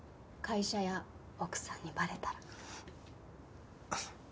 会社や奥さんにバレたら。